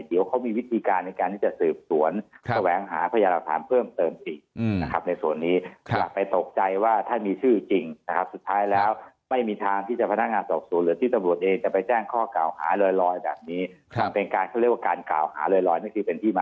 เดี๋ยวเขาก็จะมีวิธีการในการที่จะสืบสวน